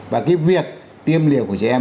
và cái việc tiêm liều của trẻ em